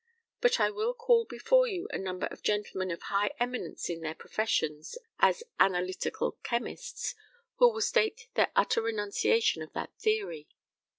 But I will call before you a number of gentlemen of high eminence in their profession as analytical chemists, who will state their utter renunciation of that theory.